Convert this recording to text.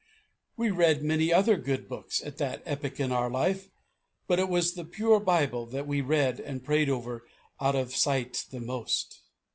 We read many other good books at that epoch in our life, but it was the pure Bible that we read and prayed over out of sight the most.